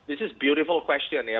ini pertanyaan yang indah ya